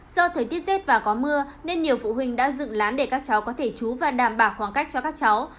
do thời tiết rét và có mưa nên nhiều phụ huynh đã dựng lán để các cháu có thể chú và đảm bảo khoảng cách cho các cháu